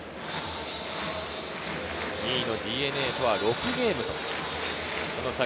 ２位のＤｅＮＡとは６ゲーム差。